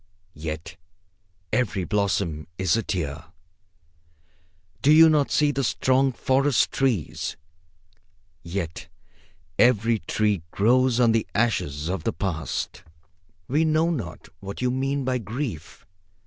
Yet every blossom is a tear. Do you not see the strong forest trees? Yet every tree grows on the ashes of the past. We know not what you mean by grief.